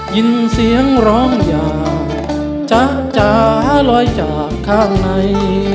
ยินเสียงร้องอย่างจ๊ะจ๋าลอยจากข้างใน